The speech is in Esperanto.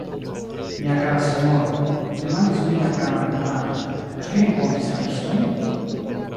Mia kara sinjoro, demandis mi la karan nekonaton, ĉu vi renkontis rabistojn?